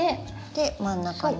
で真ん中に？